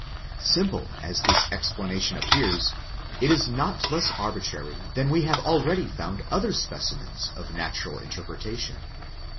Simple as this explanation appears, it is not less arbitrary than we have already found other specimens of natural interpretation.